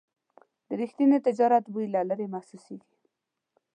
د رښتیني تجارت بوی له لرې محسوسېږي.